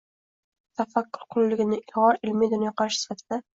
tafakkur qulligini – ilg‘or ilmiy dunyoqarash sifatida;